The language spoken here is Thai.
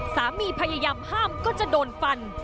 พยายามห้ามก็จะโดนฟัน